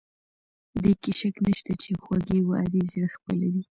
دې کې شک نشته چې خوږې وعدې زړه خپلوي.